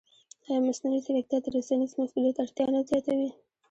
ایا مصنوعي ځیرکتیا د رسنیز مسوولیت اړتیا نه زیاتوي؟